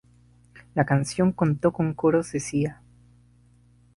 La canción contó con coros de Sia.